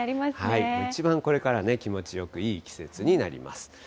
一番、これから気持ちよく、いい季節になります。